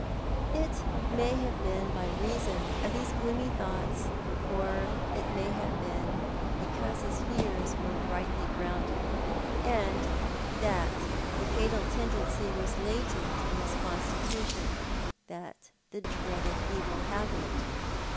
It may have been by reason of these gloomy thoughts, or it may liave been because his fears were rightly grounded, and that the fatal tendency was latent in his constitution, that the dreaded evil happened.